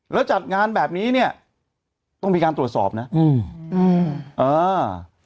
แล้วจัดงานแบบนี้เนี้ยต้องมีการตรวจสอบนะอืมอืมอ่า